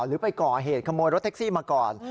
หรือไปก่อเหตุขโมยรถแท็กซี่มาก่อน